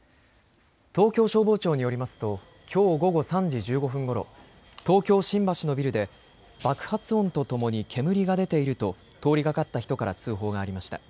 東京消防庁によりますときょう午後３時１５分ごろ東京、新橋のビルで爆発音とともに煙が出ていると通りがかった人から通報がありました。